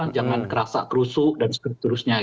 jangan kerasa kerusuk dan seterusnya